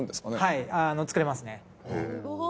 はい作れますね。